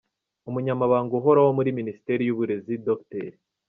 Umunyamabanga uhoraho muri Minisiteri y’Uburezi Dr.